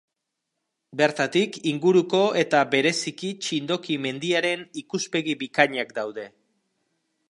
Bertatik inguruko eta bereziki Txindoki mendiaren ikuspegi bikainak daude.